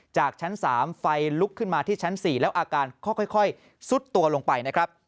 จากชั้น๓ไฟลุกขึ้นมาที่ชั้น๔แล้วอาการเข้าค่อยสุดตัวลงไป